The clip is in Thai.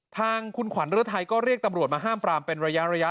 ทางคุณขวัญฤทัยก็เรียกตำรวจมาห้ามปรามเป็นระยะ